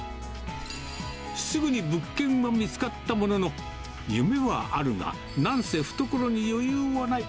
すぐに物件は見つかったものの、夢はあるが、なんせ懐に余裕はない。